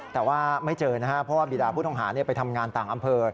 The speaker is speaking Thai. แต่ว่าไม่เจอนะครับเพราะว่าบีดาผู้ต้องหาไปทำงานต่างอำเภอ